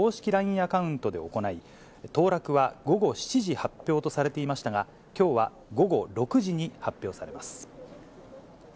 アカウントで行い、当落は午後７時発表とされていましたが、きょうは午後６時に発表されます。